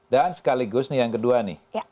dan sekaligus yang kedua nih